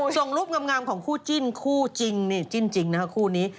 ส่งรูปงามของคู่จิ้นคู่จริงนี่จิ้นจริงนะคะคู่นี้